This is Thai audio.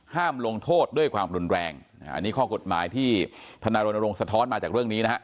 ลงโทษด้วยความรุนแรงอันนี้ข้อกฎหมายที่ธนารณรงค์สะท้อนมาจากเรื่องนี้นะฮะ